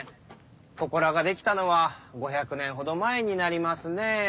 祠が出来たのは５００年ほど前になりますねェー。